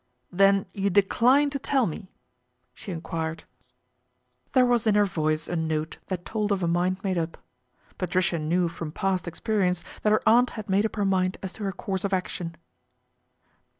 ' Then you decline to tell me ?" she enquired. 86 PATRICIA BRENT, SPINSTER There was in her voice a note that told of a mind made up. Patricia knew from past experience that her aunt had made up her mind as to her course of action.